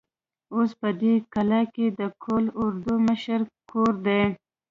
اوس په دې کلا کې د قول اردو د مشر کور دی.